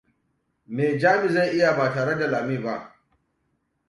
Me Jami zai iya ba tare da Lami ba?